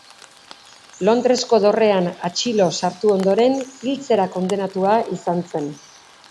Londresko dorrean atxilo sartu ondoren hiltzera kondenatua izan zen.